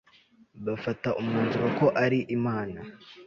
bafata umwanzuro ko ari imana